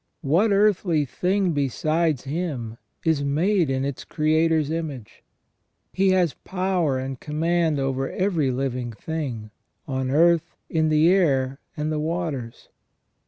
What earthly thing besides him is made in its Creator's image? He has power and command over every living thing, on earth, in the air and the waters.